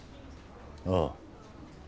ああ。